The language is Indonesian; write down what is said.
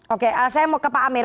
oke saya mau ke pak amir